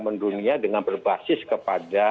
mendunia dengan berbasis kepada